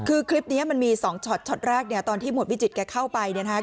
คือคลิปเนี้ยมันมีสองช็อตช็อตแรกเนี้ยตอนที่หมวดวิจิตรแกเข้าไปเนี้ยฮะ